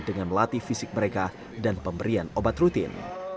dengan melatih fisik mereka dan pemberian obat rutin